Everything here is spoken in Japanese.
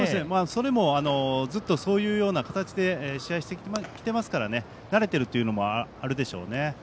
それも、ずっとそういう形で試合してきていますから慣れてるというのもあるでしょうね。